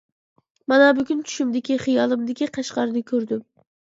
مانا بۈگۈن چۈشۈمدىكى، خىيالىمدىكى قەشقەرنى كۆردۈم.